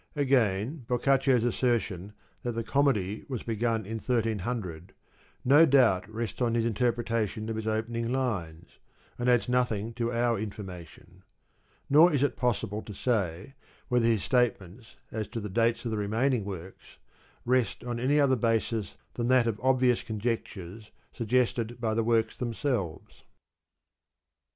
Again Boccaccio's assertion that the Comedy was begun in 1300, no doubt rests on his interpretation of its opening lines, and adds nothing to our information ; nor is it possible to say whether his statements as to the dates of the remaining works rest on any other basis than that of obvious conjectures suggested by the works themselves.